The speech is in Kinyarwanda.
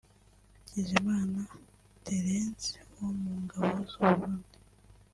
Hakizimana Térence wo mu ngabo z’u Burundi